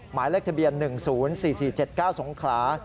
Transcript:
หมายเลขทะเบียน๑๐๔๔๗๙สงขลา